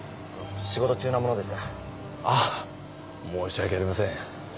仕事中なものですからあぁ申し訳ありません